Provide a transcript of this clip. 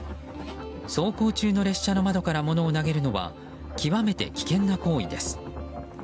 走行中の列車の窓から物を投げるのは極めて危険な行為です。